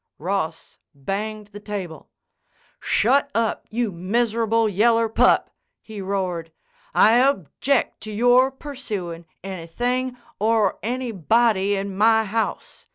Ross banged the table. "Shut up, you miserable yeller pup!" he roared. "I object to your pursuin' anything or anybody in my house.